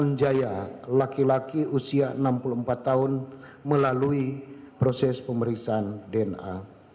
menjaya laki laki usia enam puluh empat tahun melalui proses pemeriksaan dna